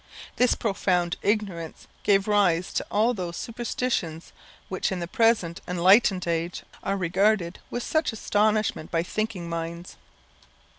This profound ignorance gave rise to all those superstitions which in the present enlightened age are regarded with such astonishment by thinking minds.